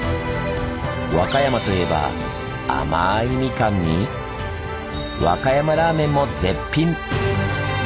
和歌山といえば甘いみかんに和歌山ラーメンも絶品！